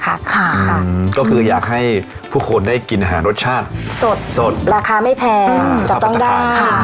ค่ะก็คืออยากให้ผู้คนได้กินอาหารรสชาติสดสดราคาไม่แพงจะต้องได้ค่ะ